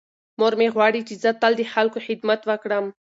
مور مې غواړي چې زه تل د خلکو خدمت وکړم.